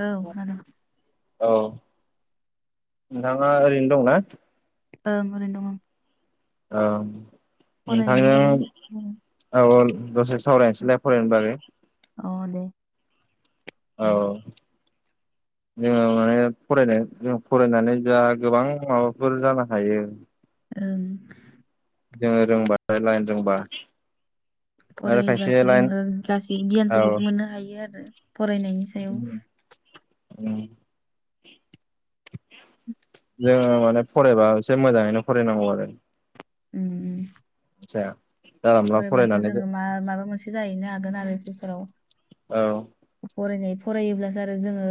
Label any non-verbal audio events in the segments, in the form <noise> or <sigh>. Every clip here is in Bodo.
औ खोनादों औ नोंथाङा ओरैनो दंना ओं ओरैनो दङ औ नोंथांजों बागै औ दसे सावरायनोसैलाय फरायनो बागै अ दे औ <unintelligible> फरायनाय फरायनानै जा गोबां माबाफोर जानो हायो ओं। जोङो रोंबा लाइन रोंबा आरो खायसे फरायोबासो लाइन जोङो गासैबो औ गियानफोरखौबो मोननो हायो आरो फरायनायनि सायाव जोङो माने फरायबा एसे मोजाङैनो फरायनांगौ आरो उम उम <unintelligible> फरायब्लासो फरायनानै जोङो मा माबा मोनसे जाहैनो हागोन आरो भिउसाराव। औ फरायनाय फरायोब्लासो आरो जोंङो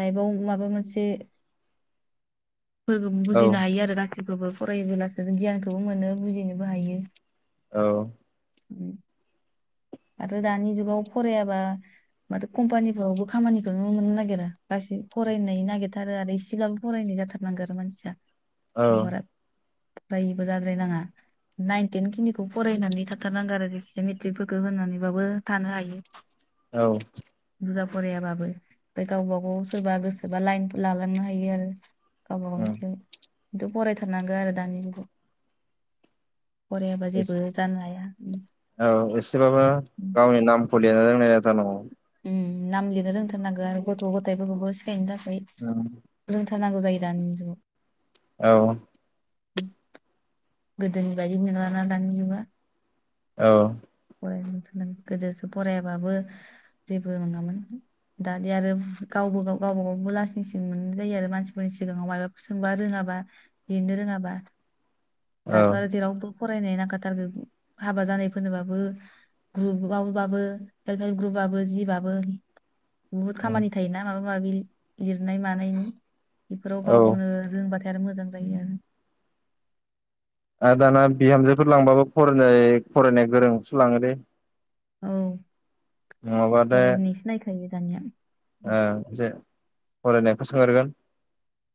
लाइफआव माबा मोनसे फोर औ बुजिनो हायो आरो गासिखौबो फरायोब्लासो गियानखौबो मोनो बुजिनोबो हायो। औ आरो दानि जुगाव फरायाबा माथो कम्पानिफोरावबो खामानिखौनो मोननो नागिरा गासै फरायनाय नागिरथारो आरो एसेब्लाबो फरायनाय जा थारनांगो आरो मानसिया औ बारा फरायिबो जाद्राय नाङा। नाइन थेन खिनिखौ फरायनानै थाथारनांगोन आरो <unintelligible> मेट्रिकफोरखौ होनानैबाबो थानो हायो औ बुरजा फरायाबाबो ओमफ्राय गावबा गाव सोरबा गोसोबा लाइनफोर लालांनो हायो आरो गावबा गावनिसो खिन्थु फरायथारनांगो आरो दानि जुगाव फरायाबा जेबो जानो हाया उम औ एसेबाबो गावनि नामफोर लेरनो रोंनाय जाथारनांगौ ओम नाम लिरनो रोंथारनांगौ आरो गथ' गथथायफोरखौबो सिखायनो थाखाय रोंथार नांगौ जायो दानि जुगाव औ गोदोनि बायदि नोंला ना दानि जुगा औ फरायनो रोंथारनांगौ गोदोसो फरायाबाबो जेबो नङामोन। दादि आरो गावबो गाव गावबागावबो लासिं सिं मोननाय जायो आरो मानसिफोरनि सिगाङाव माबाफोर सोंबा रोङाबा बा लिरनो रोङाबा औ दाथ' आरो जेरावबो फरायनाय नांखाथारगो हाबा जानायफोरनोबाबो बो ग्रुबावबाबो सेल्फ हेल्फ ग्रुबबाबो जिबाबो बुहुत खामानि थायोना माबा माबि लिरनाय मानायनि बेफोराव गाव औ गावनो रोंबाथाय आरो मोजां जायो आरो आरो दाना बिहामजोफोर लांबाबो फराय फरायनाय गोरोंखौसो लाङोलै औ नङाबाथाय फरायनायसो नायखायो दानिया ओ जे फरायनायखौ सोंग्रोगोन।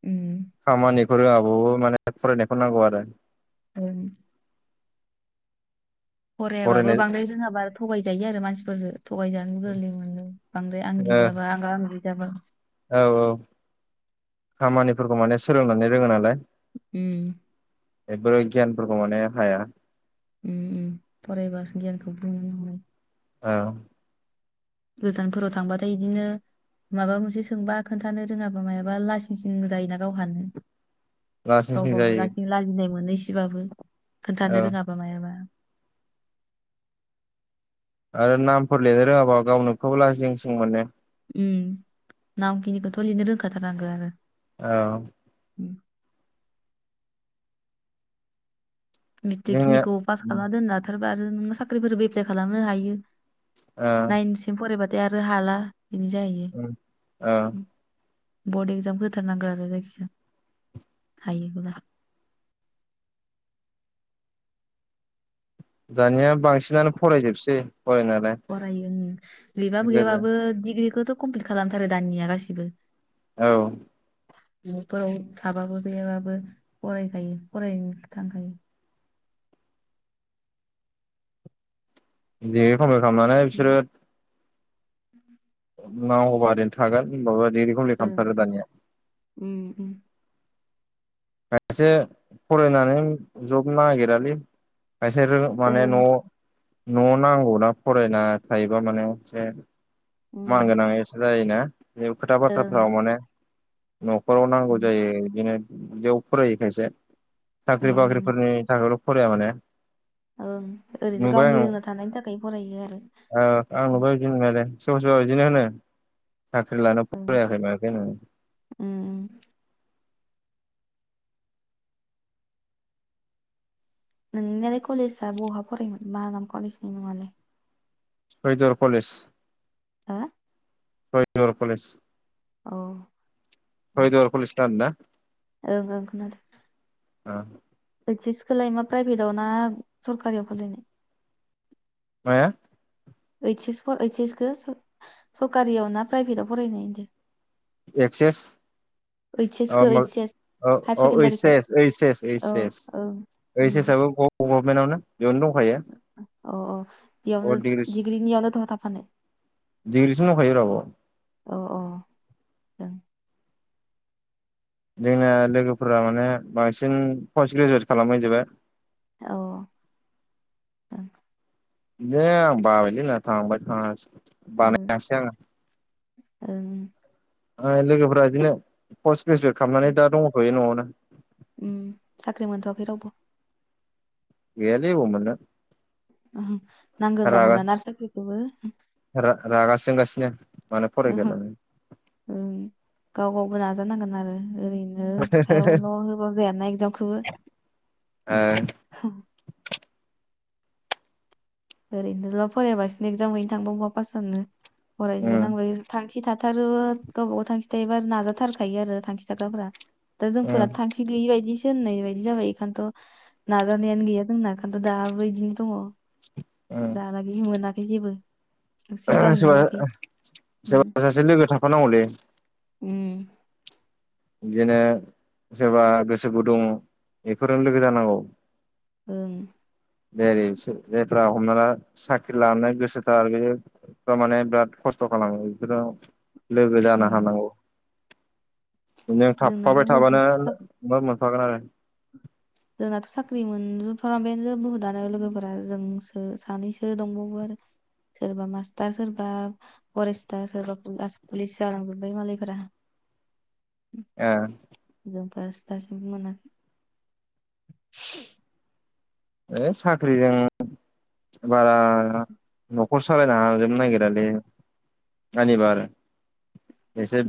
उम फोरोङाबाबो माने फरायनायखौ नांगौ आरो <unintelligible> फरायाबाबो फरायनाय बांद्राय रोङाबा थगायजायो आरो मानसिफोरजो। थगायजानो गोरलै मोनो बांद्राय ओ आंगि जाबा आंगो आंगि जाबा औ औ खामानिफोरखौ माने सोलोंनानै रोंओनालाय उम एफोर गियानफोरखौ माने हाया। उम उम फरायबासो गियानखौ मोनो हायो। औ गोजानफोराव थांबाथाय इदिनो माबा मोनसे सोंबा खोन्थानो रोङाबा मायाबा लासिं सिं जायोना गावहानो लासिं गाव सिं गाव जायो लासिं लाजिनाय मोनो एसेबाबो औ खोन्थानो रोङाबा मायाबा। आरो नामफोर लिरनो रोङाबा गावनोखोब लाजिं सिं मोनो। उम नामखिनिखौथ' लिरनो रोंखाथारनांगौ आरो। औ उम मेट्रिक जोंनिया खिनिखौ पास खालामना दोननाथारबा आरो नोंङ साख्रिफोरबो एफप्लाय खालामनो हायो। ओ नाइनसिम फरायबाथाय आरो हाला बिदि जाहैयो ओ उम। बर्ड एक्जाम होथारनांगौ आरो जायखिजाया हायोब्ला। <inaudible> दानिया बांसिनानो फरायजोबसै। फरायनायालाय फरायो उम गैयबाबो गोदो गैयाबाबो डिग्रिखौथ' कमप्लिट खालामथारो दाननिया गासिबो। औ न'फोराव थाबाबो गैयाबाबो फरायखायो फरायनोथांखायो। डिग्रिखौथ' कमप्लिट खालामनानै बिसोरो <inaudible> उनाव बा ओरैनो थागोन होनबाबो डिग्रिखौथ' ओं कमप्लिट खालामथारो दानिया। ओम खायसे फरायनानै जब नागिरालै। खायसे माने न' ओं न' नांगौना फरायना थायोबा मानेसे मान उम गोनां एसे जायोना जे खोथा ओं बाथ्राफ्राव माने न'खराव नांगौ उम जायो बिदिनो बिदियाव फरायो खायसे साख्रि उम उम बाख्रिफोरनि थाखायल' फराया माने ओं ओरैनो नुबाय गावनि आं रोंना थानायनि थाखाय फरायो आरो ओ आं उम नुबाय बिदि नुनायालाय सोरबा सोरबा इदिनो होनो। साख्रि लानो ओं फाराखै मायाखैहोननानै उम उम नोंनियालाय कलेजआ बहा फरायोमोन बागाम कलेजनि मुङालाय सयदुवार कलेज। हा? सयदुवार कलेज औ सयदुवार कलेज खोनादों ना? ओं ओं खोनादों। ओं बिसखौ लाय मा प्राइभेटाव ना सरकारियाव फरायनाय? माया? ओइच एस ओइस एस खो सरकारियाव ना प्राइभेटाव फरायनायदों होनदों? एक्सेस? ओइस एस अ खौ म ओइस एस हायार औ ओइ सेकेण्डारिखौ सेस ओइ सेस ओइ औ सेस औ उम ओइचसाबो गभनमेन्टआवनो। अ अ इयावनो दिग्रिनियावनोथ थाफाखानाय? दिग्रिसिम दंखायोब्रा बाव। अ अ जों जोंना लोगोफोरा माने बांसिन पस्ट ग्रेजुवेट खालामहैजोबाय। औ ओं। द आं बाबयलै न थांबय थायसै ओं बानायसै आङो। ओं ओ लोगोफ्रा बिदिनो पस्ट ग्रेजुयेट खालामनानै दा दङख'यो न'आवनो उ साख्रि मोनथ'वाखै रावबो? गेयालै अबाव मोनानो। ओ नांगौ बा मोना ना साख्रिखौबो। सोंगासिनो माला फरायगोन ओहो होन्नानै। ओं गाव गावबो नाजानांगोन आरो ओरैनो सायावल' होबो जाय ना एगजामखौबो। ओ ह ओरैनोल' फरायबासिनो एक्जाम हैनो थांबा अहा पास जानो फरायनोबो उम नांलबाय थांखि थाथ थारो गावबा गाव थांखि थायोबा नाजाथारखायो आरो थांखि थाग्राफ्रा। दा उम जोंफोरा थांखि गैयि बायदि से होननाय बायदि जाबाय खायन्थ' नाजानायानो गैया जोंना खायथ' दाबो बिदिनो दङ। दलागि मोनाखै जेबो। ओ साक्सेस जानो हायाखै सोरबा सोरबा सासे लोगो थाफानांगौलै। उम बिदिनो सोरबा गोसो गुदुं बेफोरनो लोगो जानांगौ। ओं देरै सो जायफ्रा हमना ला साख्रि लानो गोसोथार आरो बे थारमाने बिराद खस्थ' स्थ' खालामो बिफोरो लोगो जानो उम हानांगौ। नों जोंनाथ' थाफाबाय बहुद थाबानो मा मोनफागोन आरो। जोंनाथ' साख्रि मोनजोब फ्रामबायानो बुहुदआनो लोगोफोरा जोंसो सानैसो दंबावो आरो। सोरबा मास्टार सोरबा फरेस्टार सोरबा पुलास पुलिस जालांजोबाय मालायफोरा। ए जों फोरायो दासिमबो मोनाखै <inaudible> ओ साख्रिजों बारा न'खर सालायनो हा जोबनो नागिरालै आंनिबा आरो ‌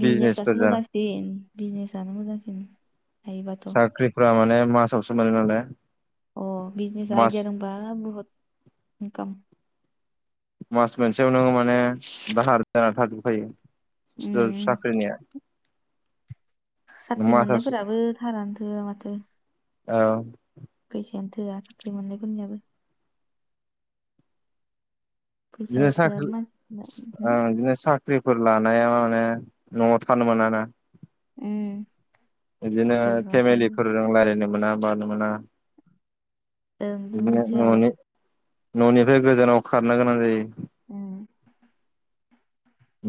बिजनेसासो मोजांसिन बिजनेसानो मोजांसिन। हायोबाथ' साख्रिफ्रा माने मासावसो मोन नालाय। अ बिजनेस मास आइडिया रोंबा बुहुद इनकाम। मास मोनसेयावनो माने दाहार जानानानै थाजोबखायो उम सोर उम। साख्रिनिया। साख्रि मासाव मोननायफोराबो थारानो थोआ माथो। औ फैसायानो थोआ साख्रि मोननायफोरनियाबो। बिदिनो फैसाया थोआ साख्रि मानसिफोरना ओ उम बिदिनो सा ख्रिफोर लानाया माने न'आव थानो मोना ना। उम बिदिनो गोजानाव ओं फेमिलिफोरजों रायजलायनो मोना मानो मोना बे मोनसे <unintelligible> आरो न'नि न'निफ्राय गोजानाव खारनो गोनां जायो। उम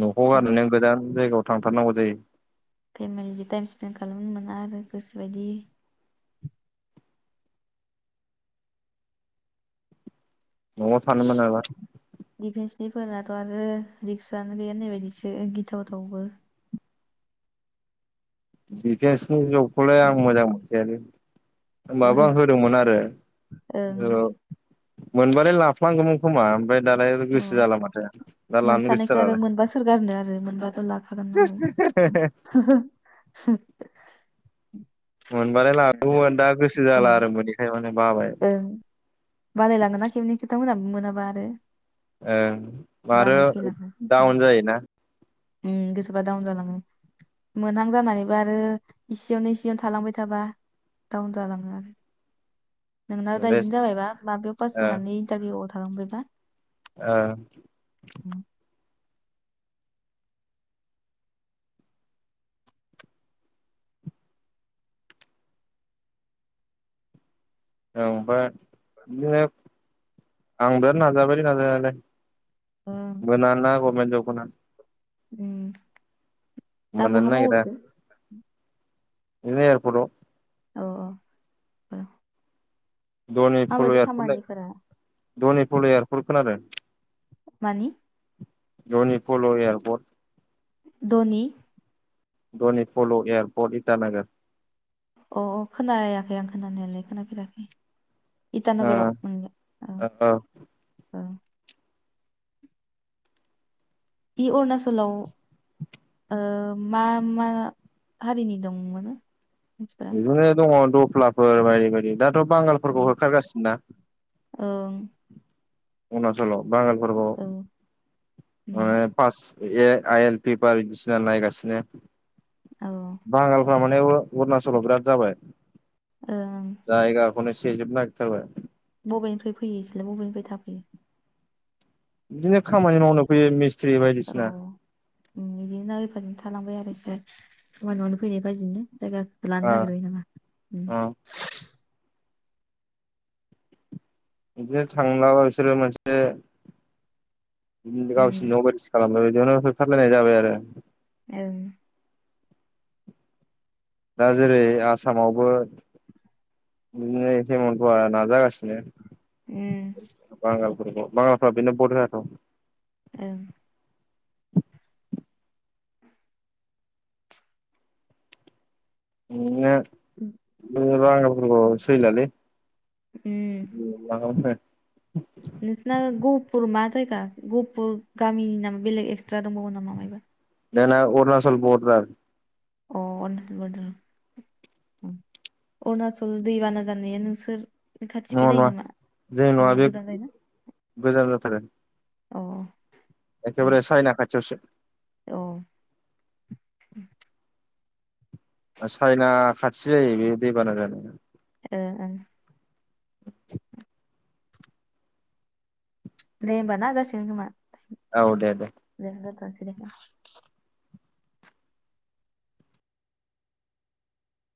न'खौ टाइम गारनानै गोदान जायगायाव थांथारनांगौ जायो। फेमिलिजो टाइम स्पेन्ड खालामनो मोना आरो गोसोबायदि। न'आव थानोमोनाबाथाय बिफोरनाथ' आरो रिक्सानो गैया होननाय बायदिसो गिथावथावबो। डिफेन्सनि जबखौलाय आं मोजां मोनखाया लै माबा ओं होदोंमोन आरो अ ओ मोनबालाय लाफ्लांगौमोन खोमा ओमफ्राय दालाय गोसो जाला माथो दा लानो मोनखानायखौ आरो गोसोजालाय मोनबा सोरगारनो आरो मोनबाथ' लाखागोन नालाय <unintelligible> <unintelligible> मोनबालाय लागौमोन दा गोसो अ जाला आरो मोनैखाय माने। बाबाय ओं बालाय लाांङोना खेबनै खेबथाम मोनाबा आरो। ओं आरो बानाय फैलाङो डाउन जायोना उम गोसोबा दाउन जलाङो मोनहां जानानैबो आरो इसेयावनो इसेयावनो थालांबाय थाबा दाउन जालांङो आरो नोंना दा रेस्ट इदिनो जाबायबा माबायाव पास जानानै इन्टारभिउआव थांलांबायबा ओं औ ओमफाय बिदिनो आं दा नाजाबाय नाजानायालाय ओं मोनाना गबमेन जबखौनो उम दा मोननो बहा मावो होनदो? <unintelligible> एयारपर्ट आव औ औ औ धनि फल एयारपर्ट धनि फल एयारपर्ट खोनादों। मानि। धनि पल' एयारपर्ट। धनि डनि फल' एयारपर्ट इटानगर। अ-अ खोनायाखै आं खोनानायालाय खोनाफेराखै। इता ओ नोगोराव ओम ओ ओ। इ उरनासोलाव। ओ मा मा हारिनि दंमोन? मानसिफोरा बिदिनो दङ दफ्लाफोर बायदि बायदि दाथ'। औ बांगालफोरखौ होखारगासिनोना ओं अरुणाचलाव। बांगालफोरखौ औ उम माने pass A I L paper बिदिसिना नायगासिनो। औ। फ्रा माने उरा उरणाचलाव बिराद जाबाय ओं जायगाखौनो सेजोब नायगिर थारबाय। बबेनिफ्राय फैयो इसोरलाय बबेनिफ्राय थाफैयो। बिदिनो खामानि मावनो फैयो मिस औ ओम इदिनो थालांबाय आरो इसोरो खामानि मावनो फैनाय बायदिनो। जाइगाखो ओ लानो नायगिरबाय नामा ओम ओ बिदिनो थांलाबा बिसोरो मोनसे बि उम गावसिनि न'आव बादिसो खालामो इदियावनो होखारला बायनाय जाबाय आरो। ओं। दा जेरै आसामावबो बिदिनो हेमन्थ आ नाजागासिनो। उम। <unintelligible> बाङालफ्रा बेनो भद होआथ'। ओं। इदिनो। <unintelligible> सैलालै। उम <unintelligible> नोंसिना गहपुर मा जायगा गहपुर गामिनि नामा बेलेग एक्सट्रा दंबावो नामा मायबा जोंना अरुणाचल बर्डार अ उरनाचल बर्डार ओम। उरणचल दैबाना जानाया नोंसोर खाथिखै नङा जायो नङा नामा जोंनि नङा बे गोजान जायोना गोजान जाथारो। अ। एखेबारे सायना खाथियावसे। औ। साइना खाथि जायो बे दैबाना जानाया। ओ ओ। दे होमबा ना जासिगोन खोमा। औ दे दे। <inaudible>